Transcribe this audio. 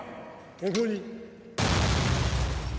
ここに。